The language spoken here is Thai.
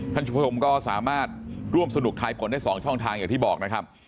คุณผู้ชมก็สามารถร่วมสนุกทายผลได้๒ช่องทางอย่างที่บอกนะครับ